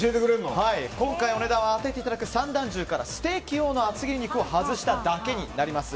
今回お値段を当てていただく三段重からステーキ用の厚切り肉を外しただけになります。